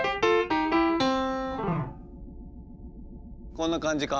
こんな感じか？